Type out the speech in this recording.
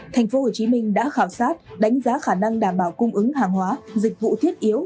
tp hcm đã khảo sát đánh giá khả năng đảm bảo cung ứng hàng hóa dịch vụ thiết yếu